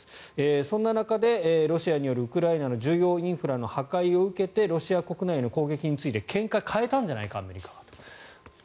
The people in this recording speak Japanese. そんな中でロシアによるウクライナの重要インフラの破壊を受けてロシア国内への攻撃について見解を変えたのではないかとアメリカが。